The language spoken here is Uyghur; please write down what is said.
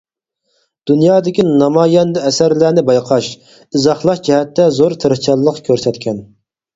دۇنيادىكى نامايەندە ئەسەرلەرنى بايقاش، ئىزاھلاش جەھەتتە زور تىرىشچانلىق كۆرسەتكەن.